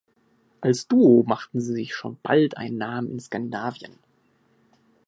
Als Duo machten sie sich schon bald einen Namen in Skandinavien.